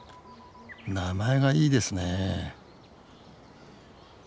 名前がいいですね